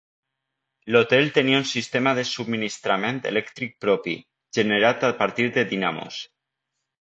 L'hotel tenia un sistema de subministrament elèctric propi, generat a partir de dinamos.